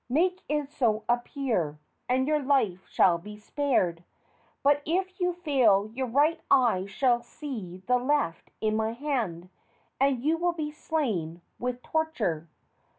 Make it so appear, and your life shall be spared; but if you fail your right eye shall see the left in my hand, and you will be slain with torture."